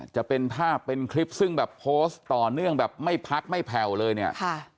จะเป็นภาพเป็นคลิปซึ่งแบบโพสต์ต่อเนื่องไม่พัดไม่แผ่วเลย